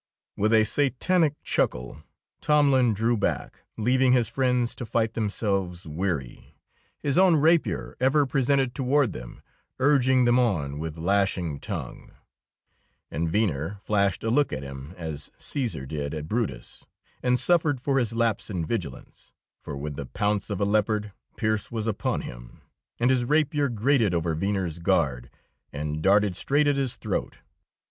With a satanic chuckle Tomlin drew back, leaving his friends to fight themselves weary, his own rapier ever presented toward them, urging them on with lashing tongue. And Venner flashed a look at him as Cæsar did at Brutus, and suffered for his lapse in vigilance. For with the pounce of a leopard Pearse was upon him, and his rapier grated over Venner's guard and darted straight at his throat.